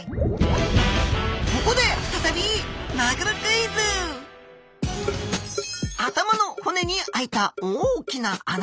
ここで再び頭の骨にあいた大きな穴。